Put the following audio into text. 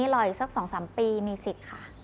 รออีกสัก๒๓ปีมีสิทธิ์ค่ะ